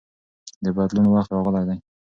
د بدلون وخت راغلی دی.